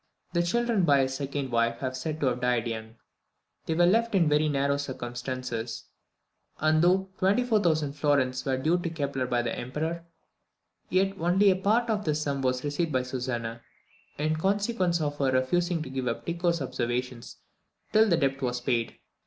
The children by his second wife are said to have died young. They were left in very narrow circumstances; and though 24,000 florins were due to Kepler by the Emperor, yet only a part of this sum was received by Susanna, in consequence of her refusing to give up Tycho's Observations till the debt was paid.